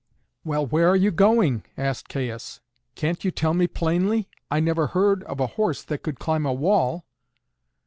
"Well, where are you going?" asked Caius. "Can't you tell me plainly? I never heard of a horse that could climb a wall."